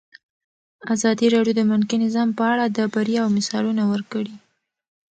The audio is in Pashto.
ازادي راډیو د بانکي نظام په اړه د بریاوو مثالونه ورکړي.